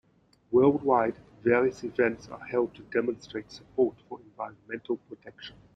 Worldwide, various events are held to demonstrate support for environmental protection.